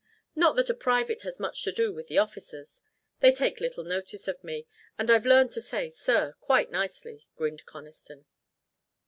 Not that a private has much to do with the officers. They take little notice of me, and I've learned to say, 'Sir!' quite nicely," grinned Conniston.